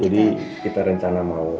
jadi kita rencana mau